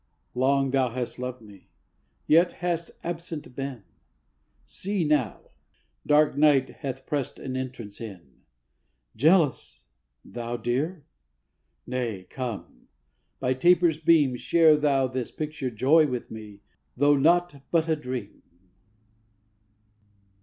Long thou hast loved me; yet hast absent been. See now: Dark night hath pressed an entrance in. Jealous! thou dear? Nay, come; by taper's beam Share thou this pictured Joy with me, though nought but a dream.'